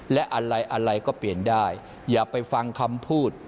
และอะไรอะไรก็เปลี่ยนได้อย่าไปฟังคำพูด